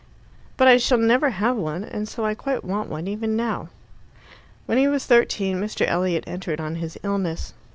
"But I shall never have one, and so I quite want one, even now.") When he was thirteen Mr. Elliot entered on his illness.